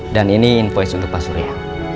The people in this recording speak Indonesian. dan ini invoice untuk pak surya